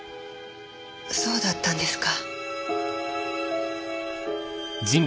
そうだったんですか。